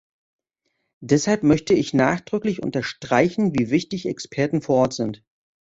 Deshalb möchte ich nachdrücklich unterstreichen, wie wichtig Experten vor Ort sind.